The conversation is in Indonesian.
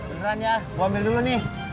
beneran ya gue ambil dulu nih